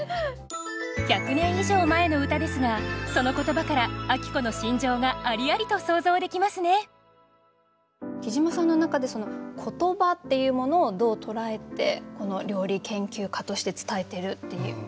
１００年以上前の歌ですがその言葉から晶子の心情がありありと想像できますねきじまさんの中で言葉っていうものをどう捉えてこの料理研究家として伝えてるっていうありますか？